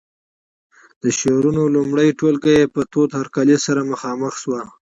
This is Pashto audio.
د شعرونو لومړنۍ ټولګه یې په تود هرکلي سره مخامخ شوه.